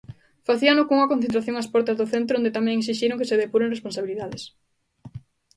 Facíano cunha concentración ás portas do centro onde tamén esixiron que se depuren responsabilidades.